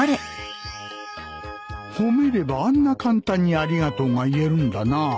褒めればあんな簡単にありがとうが言えるんだな